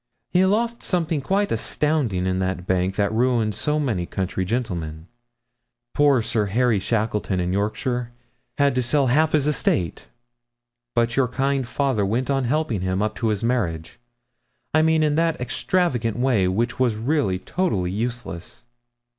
He lost something quite astounding in that bank that ruined so many country gentlemen poor Sir Harry Shackleton, in Yorkshire, had to sell half his estate. But your kind father went on helping him, up to his marriage I mean in that extravagant way which was really totally useless.'